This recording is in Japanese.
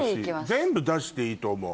全部出していいと思う。